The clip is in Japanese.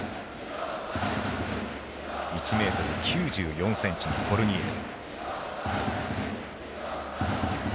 １ｍ９４ｃｍのコルニエル。